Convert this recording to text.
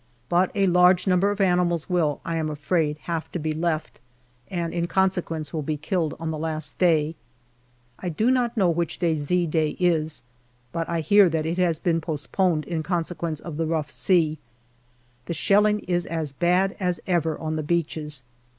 But a large number of animals will, I am afraid, have to be left, and in conse quence be killed on the last day. I do not know which day " Z " day is, but I hear that it has been postponed JANUARY 1916 317 in consequence of the rough sea. The shelling is as bad as ever on the beaches.